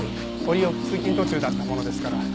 折よく通勤途中だったものですから。